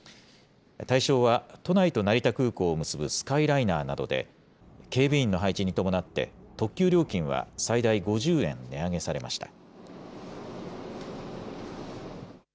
対象は、都内と成田空港を結ぶスカイライナーなどで、警備員の配置に伴って、特急料金は最大５０円値上げされました。